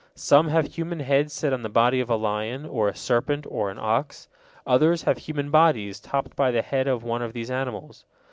Some have human heads set on the body of a lion, or a serpent, or an ox; others have human bodies topped by the head of one of these animals.